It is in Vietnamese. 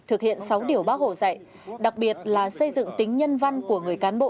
thực hiện sáu điểu bác hổ dạy đặc biệt là xây dựng tính nhân văn của người cán bộ